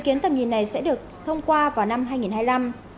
dự kiến tầm nhìn cộng đồng asean sẽ được thông qua vào năm hai nghìn hai mươi năm